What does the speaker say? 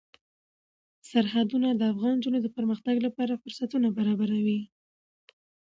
سرحدونه د افغان نجونو د پرمختګ لپاره فرصتونه برابروي.